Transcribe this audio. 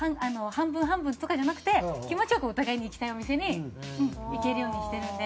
半分半分とかじゃなくて気持ち良くお互いに行きたいお店に行けるようにしてるので。